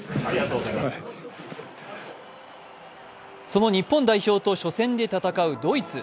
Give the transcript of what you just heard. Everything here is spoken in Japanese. その日本代表と初戦で戦うドイツ。